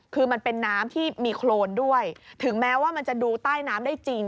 คือมันเป็นน้ำที่มีโครนด้วยถึงแม้ว่ามันจะดูใต้น้ำได้จริง